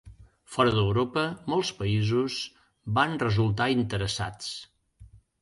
Fora d'Europa, molts països van resultar interessats.